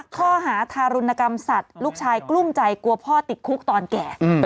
ข้อหาทารุณกรรมสัตว์ลูกชายกลุ้มใจกลัวพ่อติดคุกตอนแก่